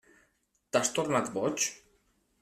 T'has tornat boig?